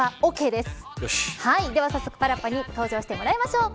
では、早速パラッパに登場してもらいましょう。